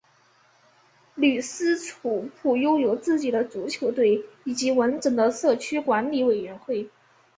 吕斯楚普拥有自己的足球队以及完整的社区管理委员会